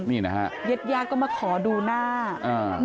นี่นะฮะเย็ดยาก็มาขอดูหน้าอืม